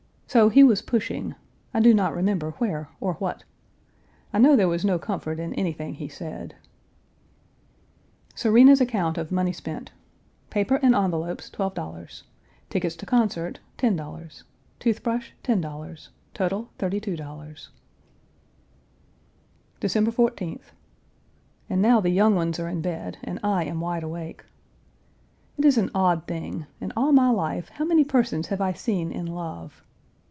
So he was pushing I do not remember where or what. I know there was no comfort in anything he said. Serena's account of money spent: Paper and envelopes, $12.00; tickets to concert, $10.00; tooth brush, $10.00; total, $32.00. December 14th. And now the young ones are in bed and I am wide awake. It is an odd thing; in all my life how many persons have I seen in love?